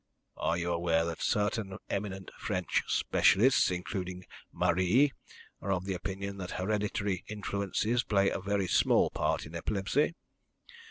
"Are you aware that certain eminent French specialists, including Marie, are of the opinion that hereditary influences play a very small part in epilepsy?"